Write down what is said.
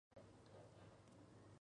Terry, en la universidad de Stanford.